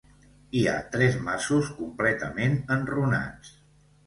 Hi ha tres masos completament enrunats.